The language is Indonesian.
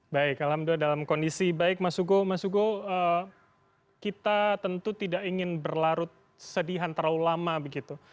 baik alhamdulillah dalam kondisi baik mas sugo mas sugo kita tentu tidak ingin berlarut sedihan terlalu lama begitu